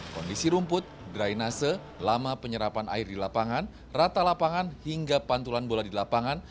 kondisi rumput drainase lama penyerapan air di lapangan rata lapangan hingga pantulan bola di lapangan